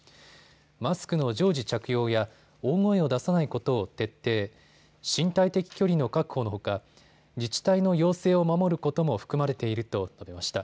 マスクの常時着用や大声を出さないことを徹底、身体的距離の確保のほか自治体の要請を守ることも含まれていると述べました。